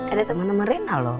ada teman sama reina loh